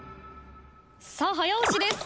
さあ早押しです。